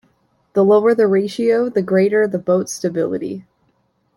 The lower the ratio the greater the boat's stability.